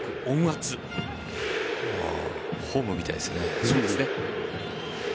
ホームみたいですね。